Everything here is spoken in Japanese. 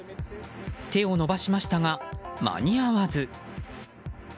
手を伸ばしましたが間に合わず。